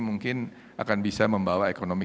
mungkin akan bisa membawa ekonomi